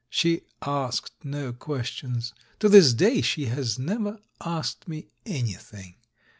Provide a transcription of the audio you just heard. She asked no questions; to this day she has never asked me anything.